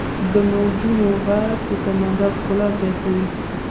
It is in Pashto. • د موجونو ږغ د سمندر ښکلا زیاتوي.